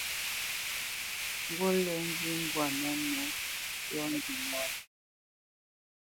Ngut lǝ̂ nzǐ mbwǎ nǝ yɔ́njwǐ lǎnǝ.